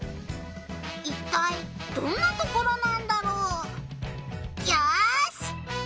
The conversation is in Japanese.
いったいどんなところなんだろう？よし！